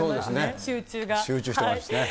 集中してますね。